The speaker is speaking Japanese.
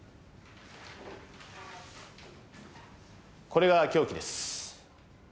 これが凶器です。